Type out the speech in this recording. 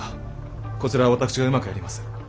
こちらは私がうまくやります。